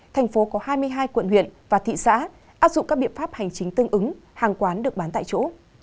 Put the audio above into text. thành phố có hai mươi hai quận huyện và thị xã áp dụng các biện pháp hành chính tương ứng hàng quán được bán tại chỗ